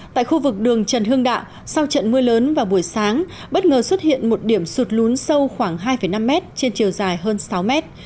tại khu vực đường trần hương đạo sau trận mưa lớn vào buổi sáng bất ngờ xuất hiện một điểm sụt lún sâu khoảng hai năm mét trên chiều dài hơn sáu mét